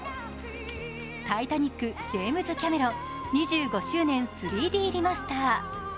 「タイタニック：ジェームズ・キャメロン２５周年３Ｄリマスター」